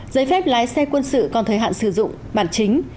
giấy phép lái xe quân sự còn thời hạn sử dụng bản chính